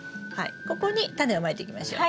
ここにタネをまいていきましょう。